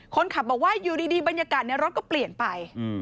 คนขับบอกว่าอยู่ดีบรรยากาศในรถก็เปลี่ยนไป